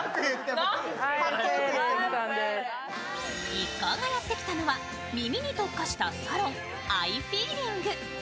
一行がやってきたのは耳に特化したサロンＩｆｅｅｌｉｎｇ。